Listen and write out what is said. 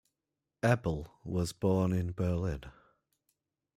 Ebel was born in Berlin.